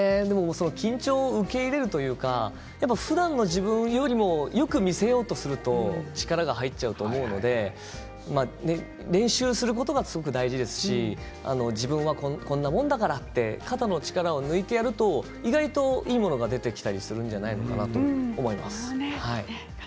緊張を受け入れるというかふだんの自分よりもよく見せようとすると力が入っちゃうと思うので練習することがすごく大事ですし自分はこんなもんだからって肩の力を抜いてやると意外といいものが出てきたりするんじゃないのかなと思います。